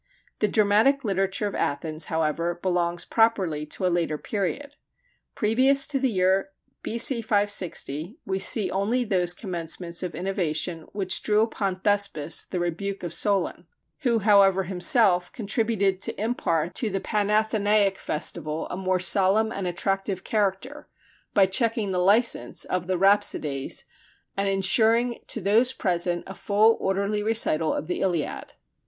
The dramatic literature of Athens however belongs properly to a later period. Previous to the year B.C. 560, we see only those commencements of innovation which drew upon Thespis the rebuke of Solon; who however himself contributed to impart to the Panathenaic festival a more solemn and attractive character by checking the license of the rhapsodes and insuring to those present a full orderly recital of the Iliad.